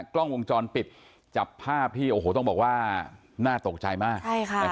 กล้องวงจรปิดจับภาพที่โอ้โหต้องบอกว่าน่าตกใจมาก